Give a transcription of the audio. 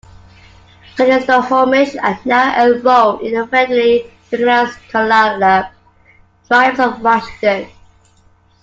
Many Snohomish are now enrolled in the federally recognized Tulalip Tribes of Washington.